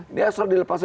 ini asal dilepas